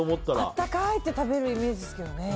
あったかいって食べるイメージですけどね。